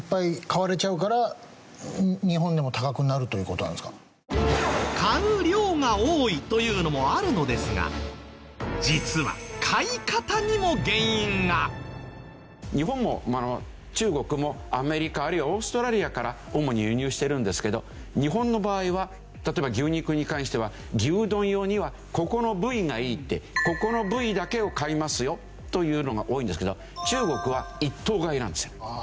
これはじゃあ買う量が多いというのもあるのですが実は日本も中国もアメリカあるいはオーストラリアから主に輸入してるんですけど日本の場合は例えば牛肉に関しては牛丼用にはここの部位がいいってここの部位だけを買いますよというのが多いんですけど中国は一頭買いなんですよ。